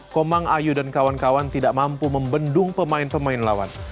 komang ayu dan kawan kawan tidak mampu membendung pemain pemain lawan